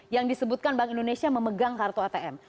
yang disebutkan bank indonesia memegang kartu atm